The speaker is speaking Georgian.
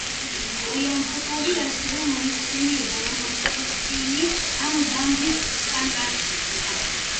კოიამპუტური ასევე მოიხსენიება როგორც ტექსტილის ან ბამბის ქალაქად.